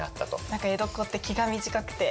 何か江戸っ子って気が短くて。